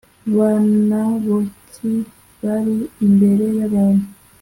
ba naboti bari imbere y abantu